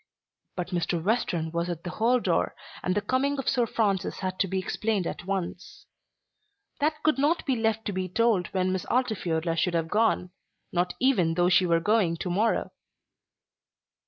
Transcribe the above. But Mr. Western was at the hall door, and the coming of Sir Francis had to be explained at once. That could not be left to be told when Miss Altifiorla should have gone, not even though she were going to morrow.